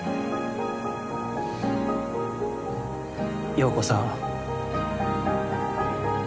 洋子さん。